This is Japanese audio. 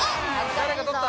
誰か取った？